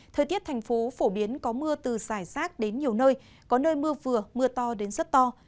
thời tiết thành phố phổ biến có mưa từ giải rác đến nhiều nơi có nơi mưa vừa mưa to đến rất to